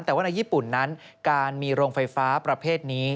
แต่ว่าในญี่ปุ่นนั้นการมีโรงไฟฟ้าประเภทนี้